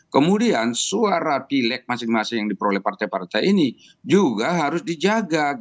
kemudian suara pilek masing masing yang diperoleh partai partai ini juga harus dijaga